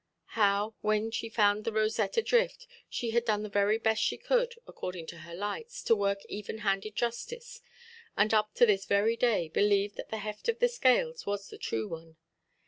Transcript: How, when she found the rosette adrift, she had done the very best she could, according to her lights, to work even–handed justice, and up to this very day believed that the heft of the scales was the true one.